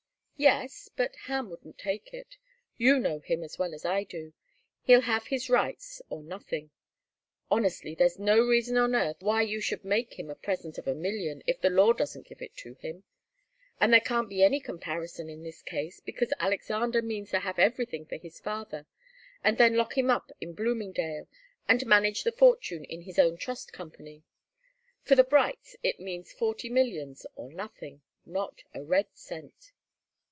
"Yes but Ham wouldn't take it. You know him as well as I do. He'll have his rights or nothing. Honestly, there's no reason on earth why you should make him a present of a million, if the law doesn't give it to him. And there can't be any comparison in this case, because Alexander means to have everything for his father, and then lock him up in Bloomingdale and manage the fortune in his own Trust Company. For the Brights it means forty millions or nothing not a red cent."